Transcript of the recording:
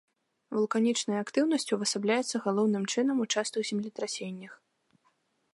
Вулканічная актыўнасць увасабляецца галоўным чынам у частых землетрасеннях.